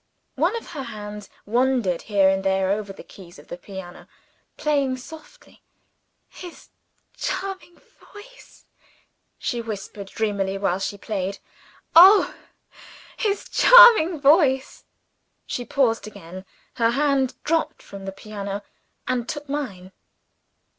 One of her hands wandered here and there over the keys of the piano, playing softly. "His charming voice!" she whispered dreamily while she played. "Oh, his charming voice!" She paused again. Her hand dropped from the piano, and took mine.